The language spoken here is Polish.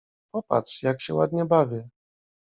— Popatrz, jak się ładnie bawię.